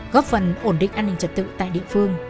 góp phần ổn định an ninh trật tự tại địa phương